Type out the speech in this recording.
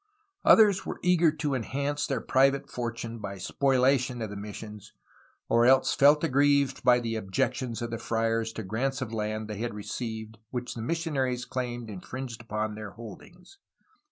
Others were eager to enhance their private fortune by spoliation of the missions, or else felt aggrieved by the objections of the friars to grants of land they had received which the missionaries claimed infringed upon their holdings.